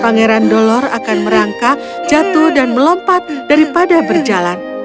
pangeran dolor akan merangkak jatuh dan melompat daripada berjalan